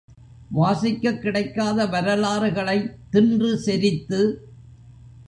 வாசிக்கக் கிடைக்காத வரலாறுகளைத் தின்றுசெரித்து